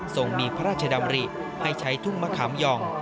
ส่งมีพระราชดำริให้ใช้ทุ่งมะขามหย่อง